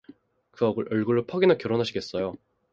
그 얼굴로 퍽이나 결혼하시겠어요.